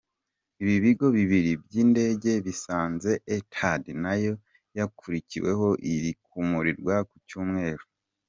Ibi bigo bibiri by’indege bisanze Etihad nayo yakuriweho iri kumirwa ku Cyumweru.